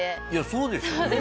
そうですね。